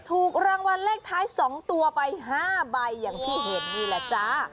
ถูกรางวัลเลขท้าย๒ตัวไป๕ใบอย่างที่เห็นนี่แหละจ้า